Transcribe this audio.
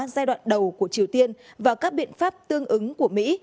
giai đoạn đầu của triều tiên và các biện pháp tương ứng của mỹ